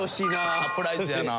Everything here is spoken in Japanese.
サプライズやなあ。